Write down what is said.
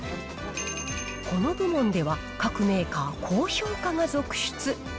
この部門では、各メーカー、高評価が続出。